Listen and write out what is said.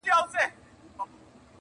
مور هره شپه ژاړي پټه تل,